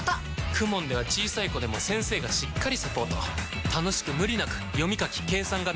ＫＵＭＯＮ では小さい子でも先生がしっかりサポート楽しく無理なく読み書き計算が身につきます！